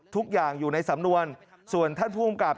ทุกอย่างอยู่ในสำนวนส่วนท่านผู้กรรมกรรม